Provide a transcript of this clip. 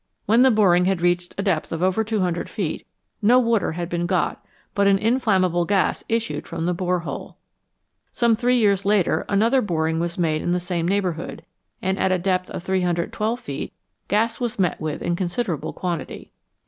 When the boring had reached a depth of over 200 feet, no water had been got, but an inflam mable gas issued from the bore hole. Some three years later another boring was made in the same neighbourhood, and at a depth of 312 feet gas was met with in consider able quantity.